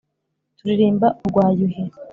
Turirimba urwa Yuhi